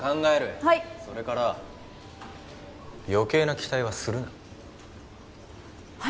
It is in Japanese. はいそれから余計な期待はするなはい？